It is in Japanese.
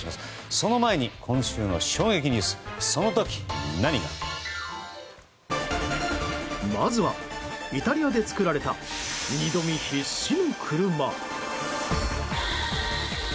その前に、今週の衝撃ニュースその時何が。まずはイタリアで開発された二度見必至の車。